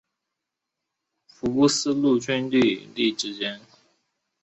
科利埃尔塔维人的殖民地位于福斯路的军队营地之间。